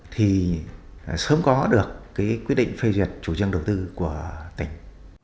thì sớm có được cái quyết định phê duyệt chủ trương đầu tư của tỉnh